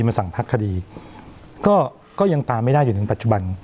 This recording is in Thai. มาสั่งพักคดีก็ก็ยังตามไม่ได้อยู่ถึงปัจจุบัน